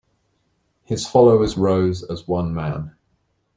His followers rose as one man.